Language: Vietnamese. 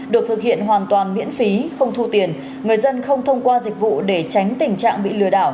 được thực hiện hoàn toàn miễn phí không thu tiền người dân không thông qua dịch vụ để tránh tình trạng bị lừa đảo